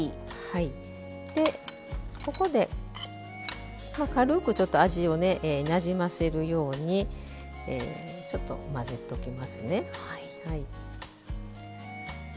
ここで、軽く味をなじませるようにちょっと混ぜておきますね。